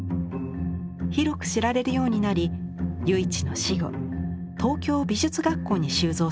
広く知られるようになり由一の死後東京美術学校に収蔵されました。